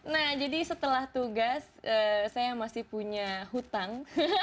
nah jadi setelah tugas saya masih punya hutang